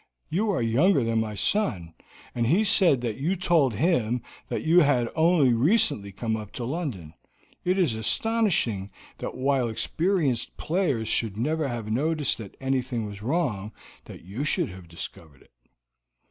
"You are younger than my son, and he said that you told him that you had only recently come up to London. It is astonishing that while experienced players should never have noticed that anything was wrong you should have discovered it."